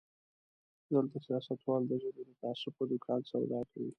دلته سياستوال د ژبې د تعصب په دوکان سودا کوي.